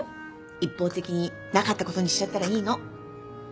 一方的になかったことにしちゃったらいいの。